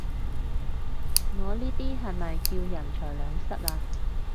我呢啲係咪叫人財兩失啊？